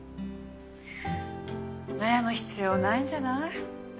悩む必要ないんじゃない？